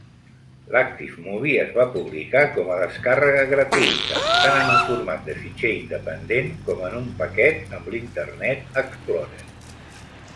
L'ActiveMovie es va publicar com a descàrrega gratuïta, tant en un format de fitxer independent com en un paquet amb l'Internet Explorer.